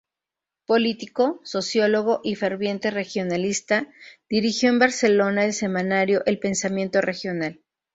Político, sociólogo y ferviente regionalista, dirigió en Barcelona el semanario "El Pensamiento Regional".